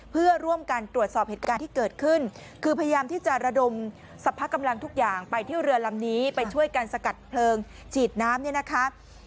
เพื่อร่วมกันตรวจสอบเหตุการณ์ที่เกิดขึ้นคือพยายามที่จะระดมสรรพกำลังทุกอย่างไปเที่ยวเรือลำนี้ไปช่วยกันสกัดเพลิงฉีดน้ำเนี่ยนะคะ